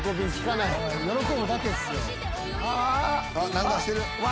何かしてる！